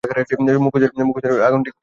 মুখোশধারী ওই নতুন আগন্তুকটি কে?